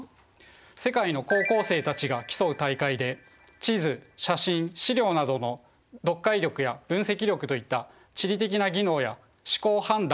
世界の高校生たちが競う大会で地図写真資料などの読解力や分析力といった地理的な技能や思考判断